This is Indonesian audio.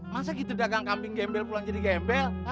masa gitu dagang kambing gembel pulang jadi gembel